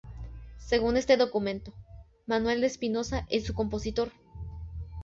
Según este documento, Manuel de Espinosa es su compositor.